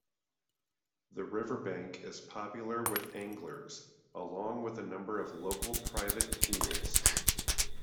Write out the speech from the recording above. The riverbank is popular with anglers, along with a number of local private pools.